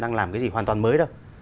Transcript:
đang làm cái gì hoàn toàn mới đâu